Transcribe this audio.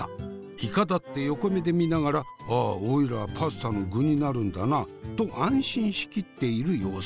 イカだって横目で見ながら「ああオイラはパスタの具になるんだな」と安心しきっている様子。